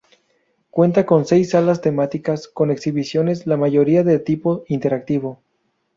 Cuenta con seis salas temáticas con exhibiciones, la mayoría de tipo interactivo.